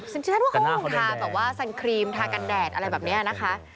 ฉันว่าเขาคงทาแบบว่าสันครีมทากันแดดอะไรแบบนี้นะคะ